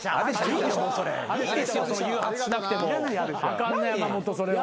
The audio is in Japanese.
あかんな山本それは。